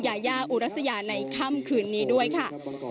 ยายาอุรัสยาในค่ำคืนนี้ด้วยค่ะ